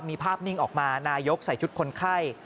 มีภาพนิ่งออกมานายกใส่ชุดคนไข้